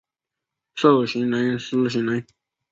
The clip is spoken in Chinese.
授行人司行人。